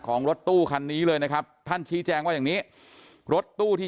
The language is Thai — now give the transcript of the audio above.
รถตู้คันนี้เลยนะครับท่านชี้แจงว่าอย่างนี้รถตู้ที่